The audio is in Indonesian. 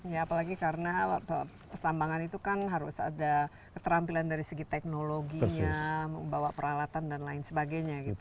ya apalagi karena pertambangan itu kan harus ada keterampilan dari segi teknologinya membawa peralatan dan lain sebagainya gitu